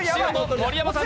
盛山さん